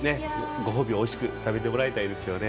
ご褒美をおいしく食べてもらいたいです。